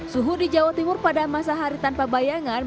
suhu di jawa timur pada masa hari tanpa bayangan